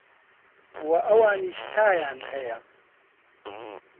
وە ئەوانیش تایان هەیە